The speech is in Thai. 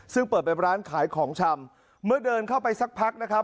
ซึ่งเปิดเป็นร้านขายของชำเมื่อเดินเข้าไปสักพักนะครับ